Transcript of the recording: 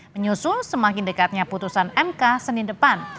menyusul semakin dekatnya putusan mk senin depan